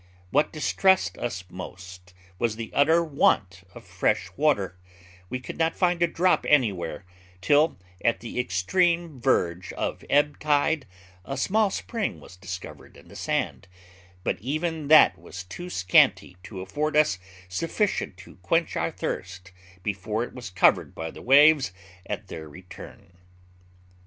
What distressed us most was the utter want of fresh water; we could not find a drop anywhere, till, at the extreme verge of ebb tide, a small spring was discovered in the sand; but even that was too scanty to afford us sufficient to quench our thirst before it was covered by the waves at their turn.